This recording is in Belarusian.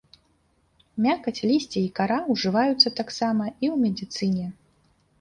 Мякаць, лісце і кара ўжываюцца таксама і ў медыцыне.